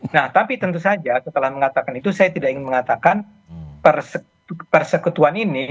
nah tapi tentu saja setelah mengatakan itu saya tidak ingin mengatakan persekutuan ini